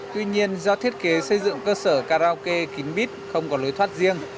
tuy nhiên do thiết kế xây dựng cơ sở karaoke kính bít không có lối thoát riêng